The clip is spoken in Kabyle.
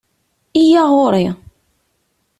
Iyya ɣuṛ-i!